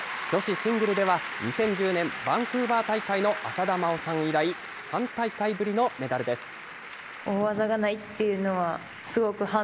女子シングルでは２０１０年バンクーバー大会の浅田真央さん以来、３大会ぶりのメダルです。